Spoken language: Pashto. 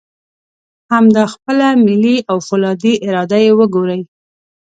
همدا خپله ملي او فولادي اراده یې وګورئ.